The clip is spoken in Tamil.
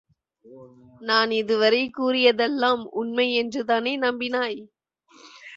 நான் இதுவரை கூறியதெல்லாம் உண்மை என்று தானே நம்பினாய்?